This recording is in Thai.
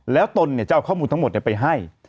แล้วตนจะเอาข้อมูลทั้งหมดไปให้